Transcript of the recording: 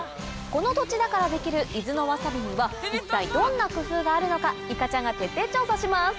この土地だからできる伊豆のわさびには一体どんな工夫があるのかいかちゃんが徹底調査します。